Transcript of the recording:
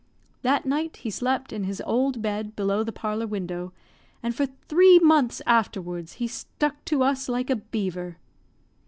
That night he slept in his old bed below the parlour window, and for three months afterwards he stuck to us like a beaver.